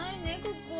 ここ。